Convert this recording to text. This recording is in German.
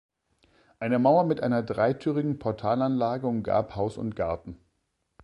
Eine Mauer mit einer dreitürigen Portalanlage umgab Haus und Garten.